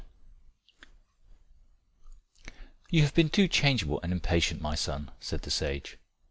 "You have been too changeable and impatient, my son," said the sage.